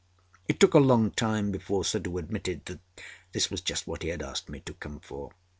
It took a long time before Suddhoo admitted that this was just what he had asked me to come for.